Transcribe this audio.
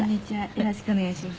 よろしくお願いします。